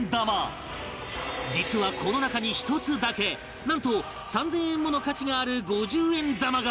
実はこの中に１つだけなんと３０００円もの価値がある５０円玉が！